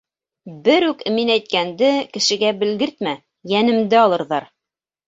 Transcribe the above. Берүк мин әйткәнде кешегә белгертмә, йәнемде алырҙар.